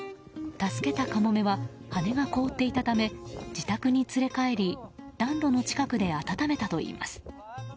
助けたカモメは羽が凍っていたため自宅に連れ帰り、暖炉の近くで温めたといいます。